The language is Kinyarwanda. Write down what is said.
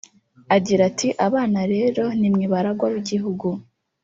Agira ati “Abana rero ni mwe baragwa b’igihugu